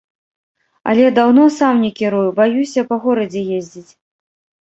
Але даўно сам не кірую, баюся па горадзе ездзіць.